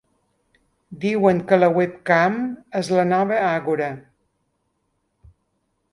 Diuen que la webcam és la nova àgora.